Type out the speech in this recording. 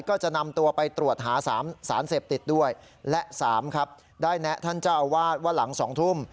ก็จะนำตัวไปตรวจหาสารเสพติดด้วยและ๓ครับได้แนะท่านเจ้าอาวาสว่าหลัง๒ทุ่ม